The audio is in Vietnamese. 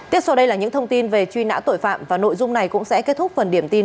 tiếp sau đây là những thông tin về truy nã tội phạm và nội dung này cũng sẽ kết thúc phần điểm tin